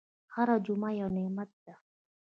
هره جمعه یو نعمت ده.